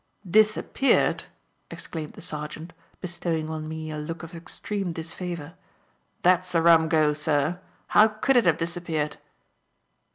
"Disappeared!" exclaimed the sergeant, bestowing on me a look of extreme disfavour; "that's a rum go, sir. How could it have disappeared?"